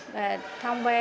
và thông qua